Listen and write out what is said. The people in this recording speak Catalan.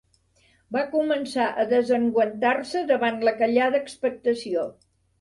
Va començar a desenguantar-se davant la callada expectació.